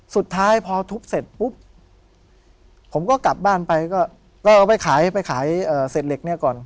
สุดท้ายพอทุบเสร็จปุ๊บผมก็กลับบ้านไปก็เอาไปขายไปขายเศษเหล็กเนี่ยก่อน